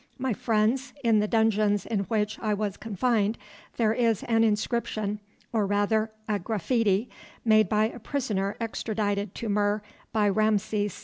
My friends, in the dungeons in which I was confined there is an inscription, or, rather, a graffite, made by a prisoner extradited to Mur by Rameses II.